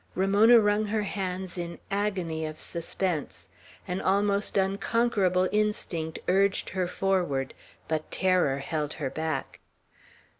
Ramona wrung her hands in agony of suspense. An almost unconquerable instinct urged her forward; but terror held her back.